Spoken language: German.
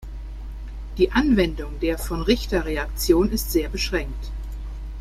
Die Anwendung der Von-Richter-Reaktion ist sehr beschränkt.